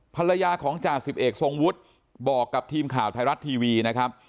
ภรรยาของจ่าสิบเอกทรงวุฒิบอกกับทีมข่าวไทยรัฐทีวีนะครับ